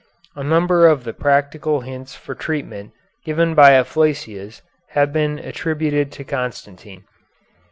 A number of the practical hints for treatment given by Afflacius have been attributed to Constantine.